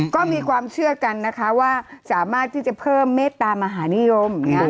ก็มีความเชื่อกันนะคะว่าสามารถที่จะเพิ่มเมตตามหานิยม